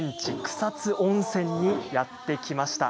草津温泉にやって来ました。